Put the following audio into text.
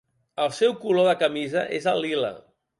El seu color de camisa és el lila.